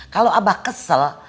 kalo abah kesel